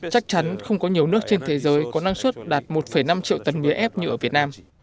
chắc chắn không có nhiều nước trên thế giới có năng suất đạt một năm triệu tấn mía ép như ở việt nam